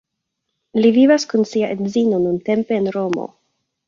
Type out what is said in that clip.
Li vivas kun sia edzino nuntempe en Romo.